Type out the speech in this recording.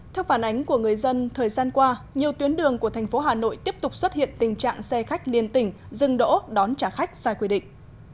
theo phản ánh của người dân thời gian qua nhiều tuyến đường của thành phố hà nội tiếp tục xuất hiện tình trạng xe khách liên tỉnh dừng đỗ đón trả khách sai quy định